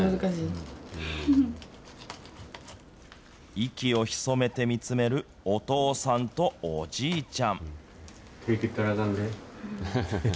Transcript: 息を潜めて見つめるお父さんとおじいちゃん。